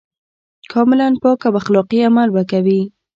کاملاً پاک او اخلاقي عمل به کوي.